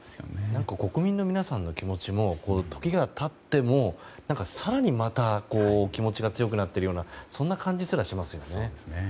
何か、国民の皆さんの気持ちも、時が経っても更に気持ちが強くなっているような感じすらしますよね。